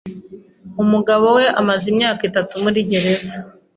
Umugabo we amaze imyaka itatu muri gereza.